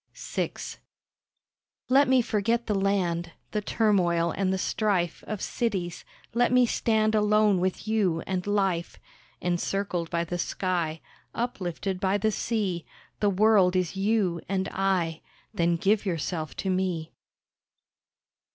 VI Let me forget the land, The turmoil and the strife Of cities; let me stand Alone with you and life. Encircled by the sky, Uplifted by the sea, The world is you, and I, Then give yourself to me!